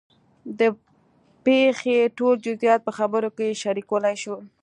د پېښې ټول جزیات په خبرو کې شریکولی شو.